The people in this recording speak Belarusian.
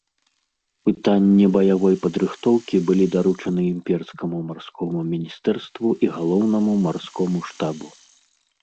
Пытанні баявой падрыхтоўкі былі даручаны імперскаму марскому міністэрству і галоўнаму марскому штабу.